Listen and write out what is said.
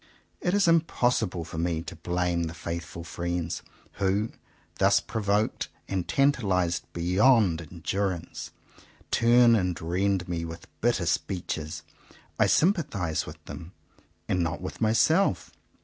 It is impossi ble for me to blame the faithful friends, who, thus provoked and tantalized beyond endurance, turn and rend me with bitter speeches. I sympathize with them, and not with myself.